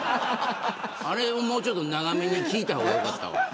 あれをもうちょっと長めに聞いた方がよかった。